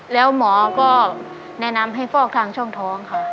แล้วหมอก็แนะนำให้ฟอกทางช่องท้องค่ะ